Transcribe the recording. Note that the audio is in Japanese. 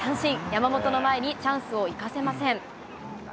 山本の前にチャンスを生かせません。